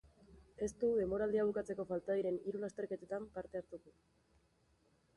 Ez du denboraldia bukatzeko falta diren hiru lasterketetan parte hartuko.